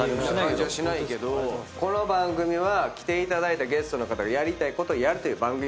この番組は来ていただいたゲストの方がやりたいことをやるという番組。